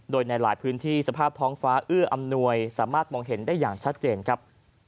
โดยในหลายพื้นที่สภาพท้องฟ้าเอื้ออำนวยสามารถมองเห็นได้อย่างชัดเจนครับ